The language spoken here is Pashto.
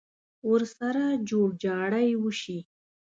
ورسره جوړ جاړی وشي.